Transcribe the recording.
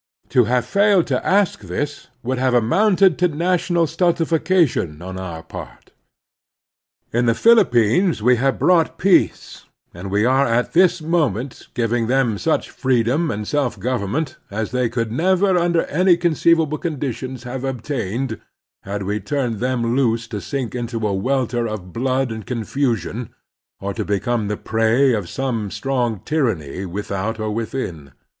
To have failed to ask this would have amotmted to national stultification on our part. In the PhiUppines we have brought peace, and we are at this moment giving them such freedom and self government as they could never under any conceivable conditions have obtained had we turned them loose to sink into a welter of blood and confusion, or to become the prey of some strong tyraimy without or within.